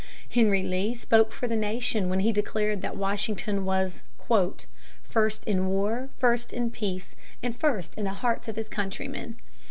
Henry Lee spoke for the nation when he declared that Washington was "first in war, first in peace, and first in the hearts of his countrymen."